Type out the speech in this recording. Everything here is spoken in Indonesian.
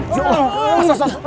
tepet tau ya